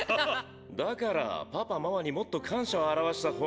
だからパパママにもっと感謝を表したほうが。